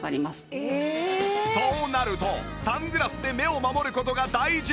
そうなるとサングラスで目を守る事が大事